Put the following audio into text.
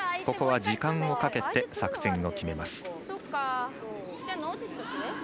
ここは時間をかけて作戦を決めます。